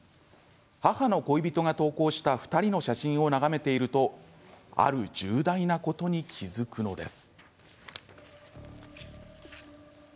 母親の恋人が投稿した２人の写真を眺めているとある重大なことに気付くのです。